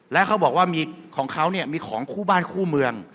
แล้วเขาบอกว่าของเขาเนี่ยมีของคู่บ้านคู่เมือง